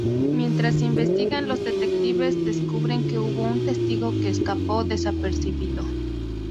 Mientras investigan, los detectives descubren que hubo un testigo que escapó desapercibido.